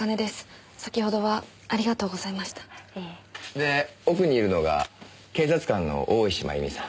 で奥にいるのが警察官の大石真弓さん。